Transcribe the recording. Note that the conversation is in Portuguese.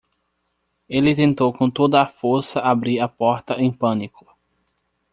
Ele tentou com toda a força abrir a porta em pânico.